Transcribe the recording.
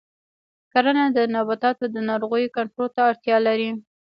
کرنه د نباتاتو د ناروغیو کنټرول ته اړتیا لري.